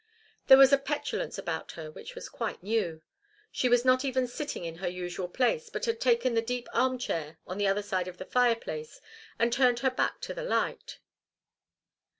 There was a petulance about her which was quite new. She was not even sitting in her usual place, but had taken the deep arm chair on the other side of the fireplace, and turned her back to the light.